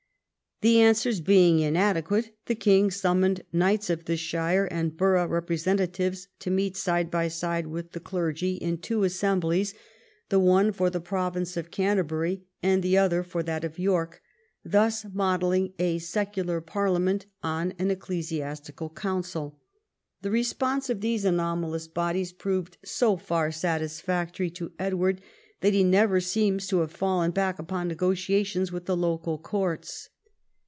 The answers being inadequate, the king summoned knights of the shire and l)orough represen tatives to meet side by side with the clergy in two VIII EDWARD AND THE THREE ESTATES 143 assemblies, the one for the province of Canterbury and the other for that of York, thus modelling a secular parlia ment on an ecclesiastical council. The response of these anomalous bodies proved so far satisfactory to Edward that he never seems to have fallen back upon negotia tions with the local courts.